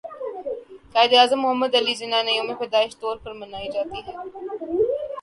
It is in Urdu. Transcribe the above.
قائد اعظم محمد علی جناح کے يوم پیدائش طور پر منائی جاتى ہے